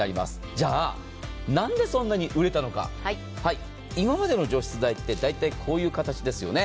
じゃあ、なんでそんなに売れたのか今までの除湿剤って大体こういう形ですよね。